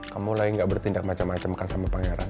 kamu lagi gak bertindak macam macam kan sama pangeran